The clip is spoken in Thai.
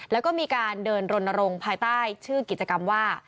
แล้วก็มีการเดินรณรงค์ภายใต้ชื่อกิจกรรมว่า